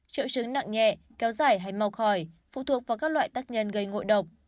triệu chứng nặng nhẹ kéo dài hay mau khỏi phụ thuộc vào các loại tác nhân gây ngộ độc